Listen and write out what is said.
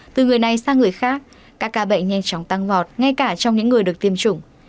từ người này sang người khác các ca bệnh nhanh chóng tăng vọt ngay cả trong những người được tiêm chủng